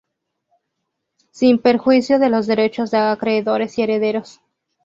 Sin perjuicio de los derechos de acreedores y herederos.